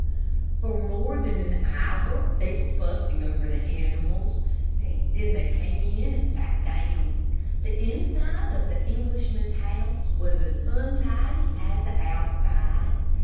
For more than an hour they were fussing over the animals. Then they came in and sat down. The inside of the Englishman's house was as untidy as the outside.